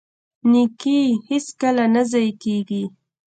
نیکي هیڅکله نه ضایع کیږي.